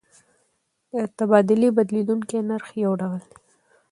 د تبادلې بدلیدونکی نرخ یو ډول دی.